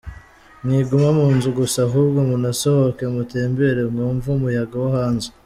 Mwiguma munzu gusa ahubwo munasohoke mutembere mwumve umuyaga wo hanze.